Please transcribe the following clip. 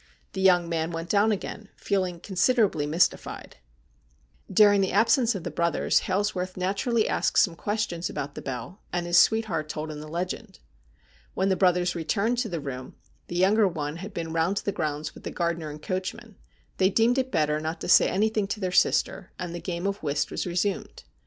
The young man went down again, feeling considerably mystified. THE BELL OF DOOM 255 During the absence of the brothers, Hailsworth naturally asked some questions about the bell, and his sweetheart told him the legend. When the brothers returned to the room — the younger one had been round the grounds with the gardener and coachman — they deemed it better not to say anything to their sister, and the game of whist was resumed.